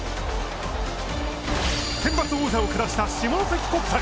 センバツ王者を下した下関国際。